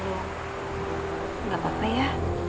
gak apa apa ya